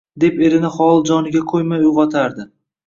deb erini holi-joniga qo`ymay uyg`otardi